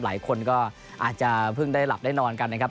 หลายคนก็อาจจะเพิ่งได้หลับได้นอนกันนะครับ